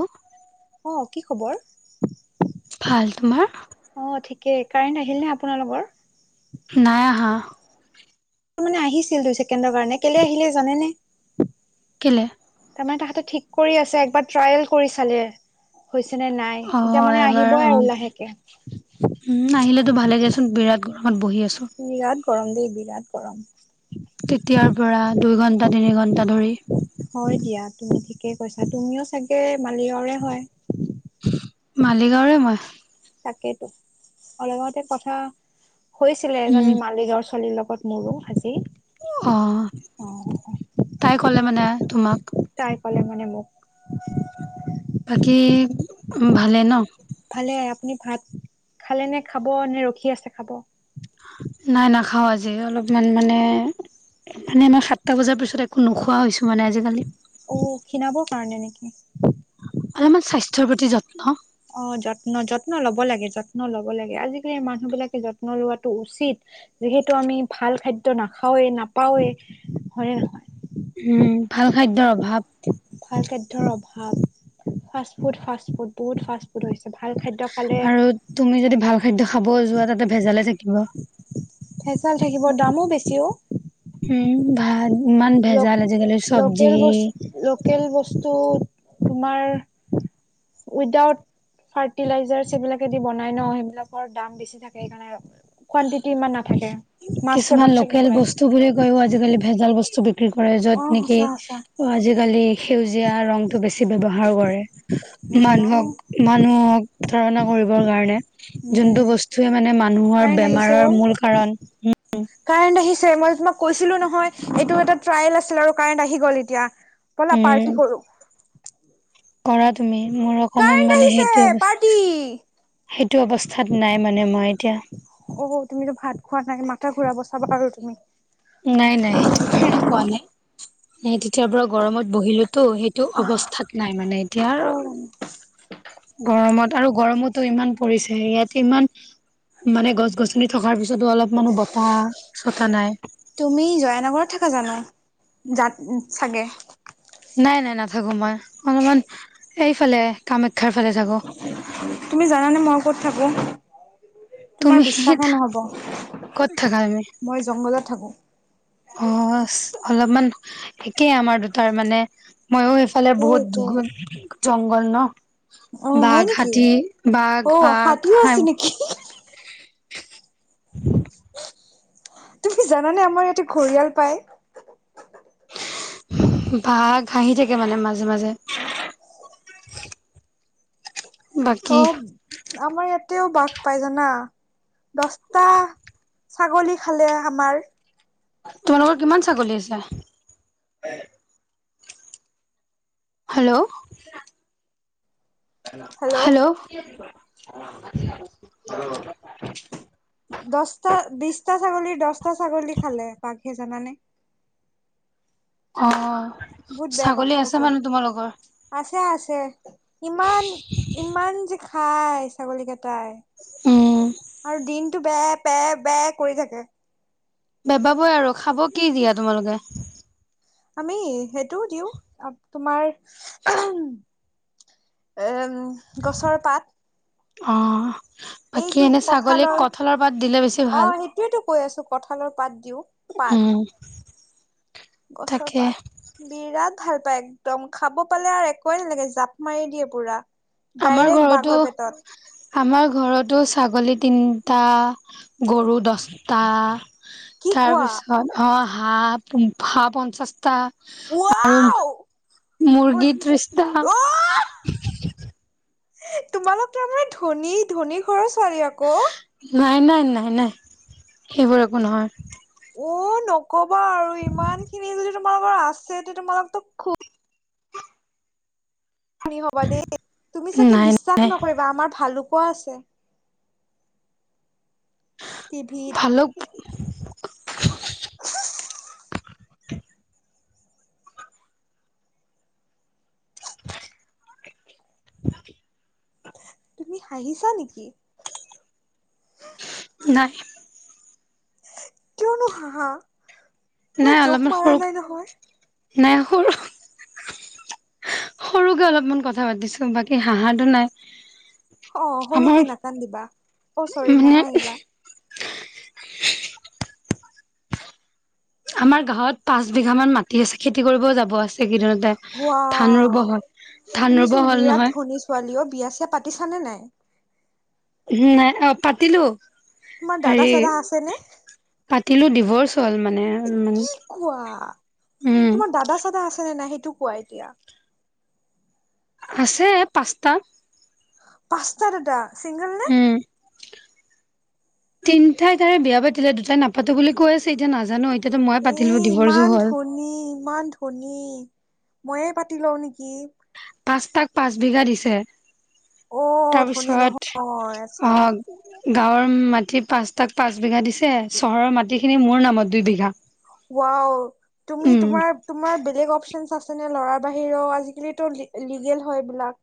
অ'। অ, কি খবৰ? ভাল তোমাৰ? অ কাৰেণ্ট আহিল নে, আপোনালোকৰ। নাই, হা। মানে আহিছিল দুই ছেকেণ্ডৰ কাৰণে কেলে আহিলে জানেনে। কেলৈলে। তাহাতে ঠিক কৰি আছেব ট্ৰাইল কৰি চালে। হৈছে নে নাই, অ এতিয়া মানে এবাৰ আহিবই আৰু লাহেকে। উম, আহিলেতো ভালোগেচোন বিৰাট গৰমত বহি আছো। বিৰাট গৰম, দেই বিৰাট গৰম। তেতিয়াৰ পৰা দুই ঘণ্টা, তিনি ঘণ্টা ধৰি। হয়, দিয়া তুমি ঠিকেই কৈছা তুমিও চাগে মালিয়ৰে হয়। মালিগাঁওৰে মই। তাকেইেতো অতে কথা হৈছিলে, উম এজনী মালিগাঁওৰ ছোৱালীৰ লগ মোৰো। অ, অ তাই ক'লে মানে তোমাক তাই কলে মানে মোক। বাকী উ, ভালে ন। ভালে আপুনি ভাত খালে নে, খাব নে, ৰখি আছে, খাব। নাই নাখাও। আজি অলপমান মানে, মানে আমাৰ সাতটা বজাৰ পিছত তছত একো নোখোৱা হৈছো মানে আজিকালি। কাৰ নে নেকি। অলপমান স্বাস্থ্যৰ প্ৰতি যত্ন অ, যত্ন, যত্ন লব লাগে, যত্ন লব লাগে। আজিকালি মানুহ বিলাকে যত্ন লোৱাটো উচিত। যিহেতু আমি ভাল খাদ্য নাখাওৱ, নাপাওৱে হয়নে, নহয়। উম ভাল খাদ্যৰ অভাৱ। [unintelligible] বুত ফু, ভাল খ আৰু তুমি যদি ভাল খাদ্যয় খাব যোৱা, তাতে ভেজালে থাকিব। ভেজাল থাকিব দামো বেছি অ উ, ভাত। ইমান ল, ভেজাল আজিকালি চব্জি লোকেল বস, লোকেল বস্তু। তোমাৰ উইদাউট। ফাৰ্টিলাইজাৰ সবিলাকেদি বনাই ন, সেইবিলাকৰ দাম বেছি থাকে, সেইকাৰণে কুৱণ্টিটি ইমান নাথাকে। মাছ কিছুমান প্ৰডাকচন লোকেল নহয় বস্তু বো কয়ও, আজিকালি ভেজাল বস্তু। অ কৰেত নে, সঁচা সঁচা আজালি এয়া ৰংটো বেছি ব্যৱহাৰ কৰে হয় ন? মানুহক মানুহক ধৰণৰ কৰিব কাৰণে, যোনটো উম বস্তুৱে মানে মানুহৰ কাৰেণ্ট আহিছে অ বেমাৰৰ মূল কাৰণ কাৰেণ্ট আহিছে। মই তোমাক কৈছিলো নহয়, এইটো, এটা ট্ৰাইেল আছিল আৰু কাৰেণ্ট আহি গ'ল এতিয়া। বলা উম, পাৰ্টি কৰো। কৰা তুমি মোৰ অকমান কাৰেণ্ট মানে আহিছে সেইটো অৱস্থা পাৰ্টি সেইটো অৱস্থাত নাই মানে মই এতিয়া। অ, তুমিতো ভাত খোৱা নায়ে, মাথা ঘূৰাব চাবা আৰু তুমি। নাই, নাই সেইটো কাৰণে কোৱা নাই সটো। এতিয়াৰ পৰা গৰমত বহিলোতো, সেইটো অৱস্থাত নাই, মানে এতিয়া। অ গৰমত আৰু গৰমতো ইমান পৰিছে, ইয়াতে ইমান মানে গছ, গছনি থকাৰ পিছতো অলপ মানো বতাহ, চতা নাই। তুমি জয়ানগৰত থাক জানো যাত চাগে। নাই নাই নাথাকো মই অলপমান এইফালে কাম তুমি জানানে মই ক'ত থাকো তোমাৰ তুমি বিশ্বাসে নহব ক'ত থাকা তুমি মই জংঘলত থাকো অ', লপমান একেই আমাৰ দুটাৰ মানে মইো এইফালে কে বহুত কে গুণ জংঘল ন অ হয় বাঘ নেকি হাটী বাঘ অ বাঘ হাতীও হা আছে নেকি তুমি জানানে আমাৰ ইয়াতে ঘৰিয়াল পায় বা ঘহি থাকে মানে মাজে মাজে বাকী অ', মাৰ ইয়াত তিও বাস পাই জানা দহটা ছাগলী খালে আমাৰ তোমালোকৰ কিমান ছাগলী আছে? হেল্ল' হেল্ল' ব, দহটা বিশটা ছাগলীৰ দহটা ছাগলী খালে বাঘে জানানে অ', বহুত বেয়া কথা াগলী আছে হৈছে মানে তোমাৰ লগৰ আছে আছে ইমান ইমান যে খাই ছাগলী কেইটাই উম, আৰু দিন টো বে পে বে কৰি থাকে বেপাবই আৰু খাব কি দিয়া তোমালোকে? আমি সেইটোও দিওঁ তোমাৰ এম গছৰ পাত অ', বাকী এইটো এনে ছাগলীক কঠালৰ কঠলৰ পাত দিলে বেছি অ ভাল। সেইটোয়েতো কৈ আছো কঠালৰ পাত দিও পাত উম, গছৰ তাকে পাত বিৰাট ভাল পায় একদম খাব পালে আৰু একোৱেই নালাগে জাপ মাৰি দিয়ে পুৰা আমাৰ ডাইৰেক্ট ঘৰতো বাঘৰ পেটত আমাৰ ঘৰতো ছাগলীত তিনটা গৰু দছটা কি কোৱা তাৰপিছত অ', হাঁহ হাঁহ পঞ্চাছটা আৰু ৱাও অ মৰ্গী ত্ৰিশতা তোমালোক তাৰমানে ধনী ধনী ঘৰৰ ছোৱালী আকৌ নাই নাই নাই সেইবোৰ একো নহয় উ নকবা আৰু ইমান খিনি যদি তোমালোকৰ আছে তে তোমালোকো খুব হবা দেই তুমি চাগে নাই বিশ্বাস নকৰিবা আমাৰ ভাল কোৱা আছে টি ভিত ভালুক অে [unintelligible] [unintelligible] তুমি হাঁহিছা নেকি? নাই কিয়নো হা হা নাই অলপমান সৰু নাই সৰু সৰুকে অলপমান কথা পাতিছো বাকী হাঁহাৰটো নাই অ', আমাৰ ৰুকে নাকান্দিবা অ চৰি মানে নাহহিবা আমাৰ গাঁৱত পাঁচ বিঘা মান মাটি আছে খেতি কৰিব যাব আছে কেইদিনতে হোৱা ধান ৰুব হ'ল ধান ৰুব তুমিচোন হ'ল বিৰাট নহয় ধনী ছোৱালীও বিয়াছে পাতি কিছানে নাই? নাই অ পাতিলো তোমাৰ হেৰি দাদা, চাদা আছে ন। পাতিলো ডিভৰ্চ হ'ল মানে, কি কোৱা মানে তোমাৰ দাদা, চাদা আছেনে নাই, সেইটো কোৱা এতিয়া। আছে পাঁচটা। পাঁচটাৰ, এটা চিংগল নে। তিনিতাই তাৰে বয়া পায়, তেতিয়া দুটাই নাপাতো বুলি কৈ আছে, এতিয়া নাজানো। এতিয়াতো মই এ, পাতিলো ডিভৰ্চো ইমান হ'ল ধোনী, ইমান ধোনী ময়ে পাতি লওঁ নেকি। পাঁচটাক, পাঁচ বিঘা দিছে। অ ধনী তাৰপিছত, নহয় আচ্ছা আহ। গাঁৱৰ মাটি পাঁচটাক পাঁচ বিঘা দিছে। চহৰৰ মাটিখিনি মোৰ নামত দুই বিঘা। ৱাৱ, তুমি উম, তোমাৰ, তোমাৰ বেলেগ অপচন আছে নে, ল'ৰাৰ বাহিৰেও আজিকালি লিগেল হয়বিলাক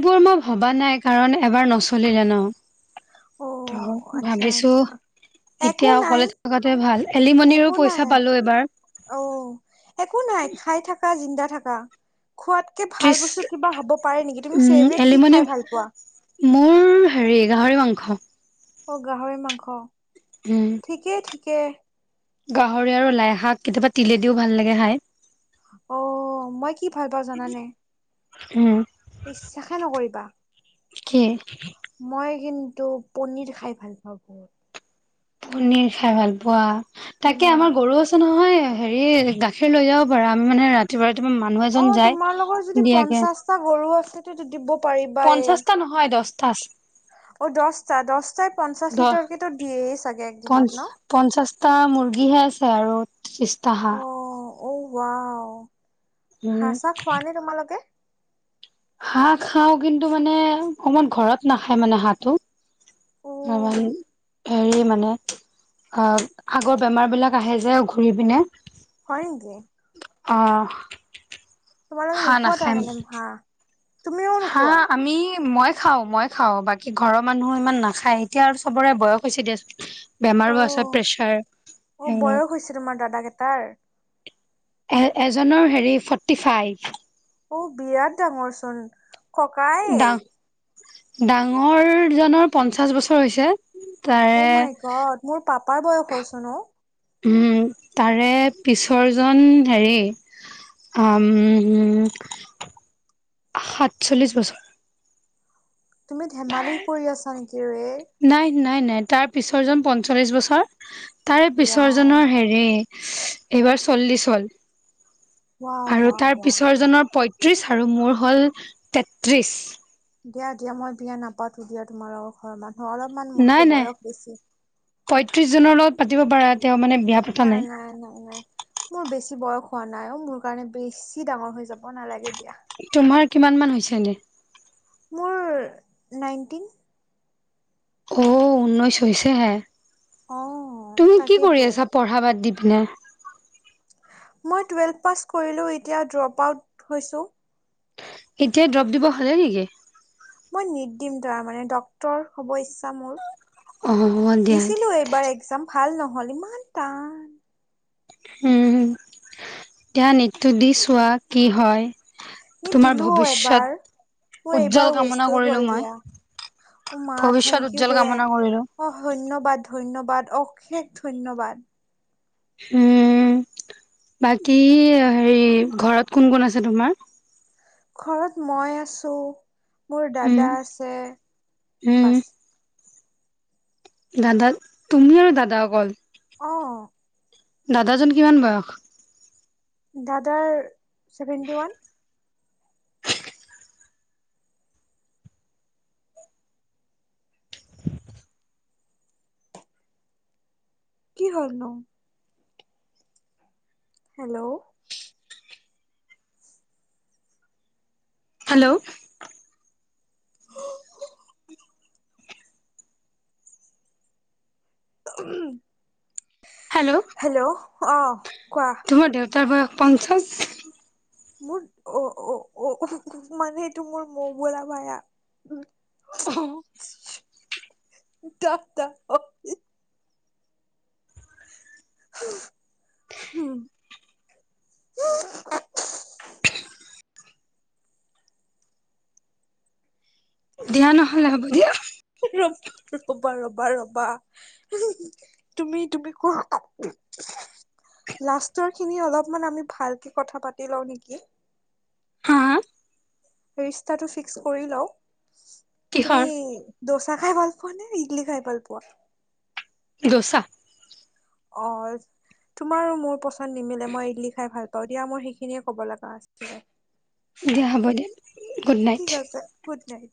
সবোৰ মই ভবা নাই কাৰণ এবাৰ নচলিলে ন। অ ত, আচ্ছা ভাবিছো। আচ্ছা একো এতিয়া নাই অকলে থকাতে ভাল একো এলিমনিৰো পইচা নাই পালো এবাৰ। অ, একো নাই, খাই থাকা, জিন্দা থাকা। খোৱাতকে ভাল ত্ৰিশ বস্তু কিবা হ'ব পাৰে নেকি তুমি উম, ফেভেৰাট কি এলিমনি খাই ভাল পোৱা। মোৰ হেৰি গাহৰি মাংস। অ, গাহৰি মাংস উম। ঠিকেই, ঠিকে। গাহৰি আৰু লাই শাক কেতিয়াবা তিলে দিও ভাল লাগে খাই। অ, মই কি ভাল পাওঁ জানানে? উম, বিশ্বাসে নকৰিবা কি? মই কিন্তু পনীৰ খাই ভাল পাওঁ বহুত। পনিৰ খাই ভাল পোৱা তাকে উম আমাৰ গৰু আছে নহয়। হেৰি গাখীৰ লৈ যাও পাৰো আমি মানে ৰাতিপুৱা ৰাতিপুৱা মানুহ অ, এজন যায়। তোমাৰ লগৰ যদি দিয়াকে পঞ্চাশটা গৰু আছে দিব। পাৰিবাই। পঞ্চাশটা নহয়, দছটা। অ, দছটা, দহটাই পঞ্চাশ লিটাৰকেতো দিয়ে চাগে একদিনত ন। এটা মুৰ্গীহে আছে, আৰু ত্ৰ্ৰিছটা হাঁহ। ৱা, উম হাহঁ, চাহ খোৱা নে, তোমালোকে? হাঁহ, খাও কিন্তু মানে অকমান ঘৰত নাখায় মানে হাঁহটো। আ, অ' হেৰি মানে। অ, আগৰ বেমাৰ বিলাক আহে যে ঘূৰি পিনে। হয় নিকি। অ, হা, নোখোৱা নাখাইয়াম। তাৰমানে হাঁহ? তুমিও হা, নোখোৱা? আমি মই খাও মই খাওঁ বাকী ঘৰৰ মানুহো ইমান নাখায় এতিয়া আৰু চবৰে বয়স হৈছে দিয়চোন। বেমাৰো আছে, অ', প্ৰেছাৰ অ', সেইবিলাক। বয়স হৈছে তোমাৰ দাদা কেইটাৰ? এ, এজনৰ হেৰি ফৰ্টি ফাইভ। অ, বিৰাট ডাঙৰচোন ককাই। ডাঙ ডাঙৰজনৰ পঞ্চাছ বছৰ হৈছে। অ, তাৰে মাইকত মোৰ পাপাৰ বয়স হৈছে ন। উম, তাৰে পিছৰজন হেৰি উ, সাতচল্লিশ বছৰ। তুমি ধেমালি কৰি আছা নেকি ৰয় নাই নাই নাই তাৰ পিছৰ জন পঞ্চল্লিশ বছৰ, তাৰে ৱাও, পিছৰজনৰ হেৰি এইবাৰ চল্লিছ হ'ল ৱাও, আৰু ৱাও, তাৰ ৱাও। পিছৰজনৰ পত পয়ত্ৰিশ আৰু মোৰ হ'ল তেত্ৰিশ। দিয়া দিয়া মই বিয়া নাপাতো দিয়া তোমাৰ লগত ঘৰৰ মান নাই নাই পয়ত্ৰিশজনৰ লগত পাতিব পাৰা। তেওঁ মানে বিয়া পতা নাই নাই মন নাই। মোৰ বেছি বয়স হোৱা নাইও মোৰ কাৰণে বেছি ডাঙৰ হৈ যাব নালাগে দিয়া। তোমাৰ কিমান মান হৈছে এনে? মোৰ নাইনটিন। অ', ঊনৈশ হৈছেহে। অ', তুমি কি কৰি তাকেইতো আছা পঢ়া বাদ দি? [inaudible] মই টুৱেল্ভ পাছ কৰিলোও এতিয়া ড্ৰপ আউট হৈছো। এতিয়া দ্ৰৱপ দিব হ'লেই নেকি? মই দিম তাৰ মানে ডক্টৰ হ'ব ইচ্ছা মোৰ। অ দিয়া দিয়া দিছিলো দিয়া এইবাৰ একজাম ভাল নহ'ল ইমান টান। উম, এতিয়া নিটতো দি চোৱা কি হয়। এ তোমাৰ দিলো এবাৰ মোৰ ভৱিষ্যত এইবাৰ উজ্জ্বল কামনা ৱেষ্টেই গ'ল কৰিলো মই। দিয়া। অ', মা থেংক ভৱিষ্যত ইউ দে। উজ্জ্বল কামনা কৰিলো। অ', ধন্যবাদ ধন্যবাদ অশেষ ধন্যবাদ। হম। বাকী হেৰি ঘৰত কোন কোন আছে তোমাৰ? ঘৰত মই আছো মোৰ উম দাদা আছে। উম পাঁচ দাদা তুমি আৰু দাদা অকল? অ', দাদাজন কিমান বয়স? দাদাৰ চেভেণ্টি ওৱান। [inaudible] কি হ'লনো? হেল্ল'। হেল্ল'। হেল্ল' হেল্ল' অ'। কোৱা। তোমাৰ দেউতাৰ বয়স পঞ্চাশ মোৰ অ' অ' অ' মানে এইটো মোৰ মৌ বোলা ভাইয়া। [inaudible] [inaudible] [inaudible] [inaudible] দিয়া নহ'লে হ'ব দিয়া। ৰবা ৰ'বা ৰ'বা ৰ'বা তুমি তুমি কোৱা লাষ্টৰখিনি অলপমান আমি ভালকে কথা পাতি লওঁ নেকি? হম হম? ৰিষ্টাটো ফিক্স কৰি লওঁ। তুমি কিহৰ দৌচা খাই ভাল পোৱা নে ইডলি খাই ভাল পোৱা? দৌচা। অ', তোমাৰো মোৰ পচন্দ নিমিলে। মই ইডলি খাই ভাল প দিয়া মোৰ সেইখিনিয়ে ক'ব লগা আছিলে। দিয়া হ'ব দিয়া। গুড নাইট ঠিক আছে, গুড নাইট।